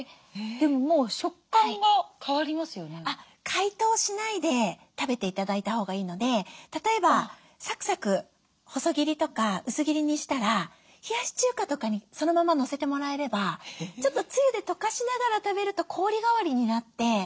解凍しないで食べて頂いたほうがいいので例えばサクサク細切りとか薄切りにしたら冷やし中華とかにそのままのせてもらえればちょっとつゆでとかしながら食べると氷代わりになって。